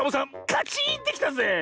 カチーンってきたぜえ。